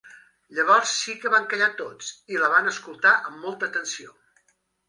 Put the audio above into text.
Llavors sí que van callar tots i la van escoltar amb molta atenció.